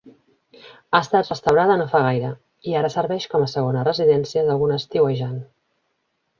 Ha estat restaurada no fa gaire, i ara serveix com a segona residència d'algun estiuejant.